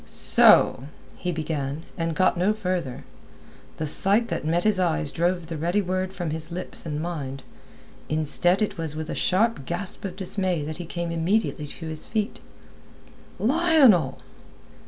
"So...." he began, and got no further. The sight that met his eyes drove the ready words from his lips and mind; instead it was with a sharp gasp of dismay that he came immediately to his feet. "Lionel!"